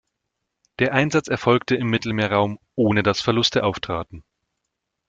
Der Einsatz erfolgte im Mittelmeerraum, ohne dass Verluste auftraten.